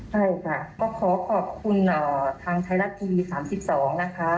ใช่ค่ะก็ขอขอบคุณทางไทยรัฐทีวี๓๒นะคะ